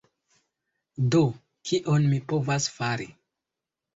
Do, kion mi povas fari?